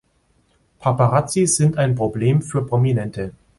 Paparazzi sind ein Problem für Prominente.